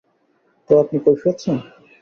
তো আপনি কৈফিয়ত চান?